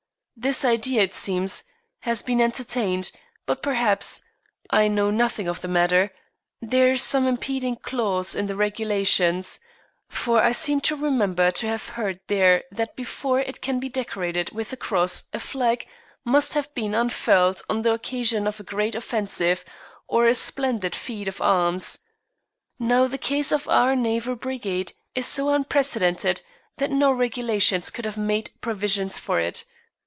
This idea, it seems, has been entertained, but perhaps I know nothing of the matter there is some impeding clause in the regulations, for I seem to remember to have read there that before it can be decorated with the Cross a flag must have been unfurled on the occasion of a great offensive or a splendid feat of arms. Now the case of our Naval Brigade is so unprecedented that no regulations could have made provision for it.